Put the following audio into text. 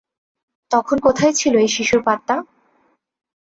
তখন কোথায় ছিল এই শিশুর পাত্তা?